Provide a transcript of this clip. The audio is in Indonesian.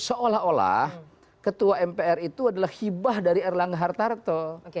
seolah olah ketua mpr itu adalah hibah dari erlangga hartarto